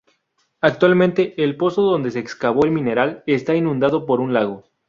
Actualmente el pozo donde se excavó el mineral está inundado por un lago.